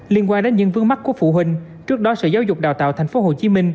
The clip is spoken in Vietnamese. liên quan đến những vướng mắt của phụ huynh trước đó sở giáo dục đào tạo tp hcm